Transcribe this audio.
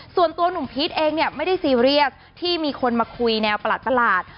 ส่วนตัวหนุ่มพีชเองเนี่ยไม่ได้ซีเรียสที่มีคนมาคุยแนวประหลาด